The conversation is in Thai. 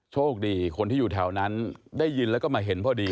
โชคดีคนที่อยู่แถวนั้นได้ยินแล้วก็มาเห็นพอดี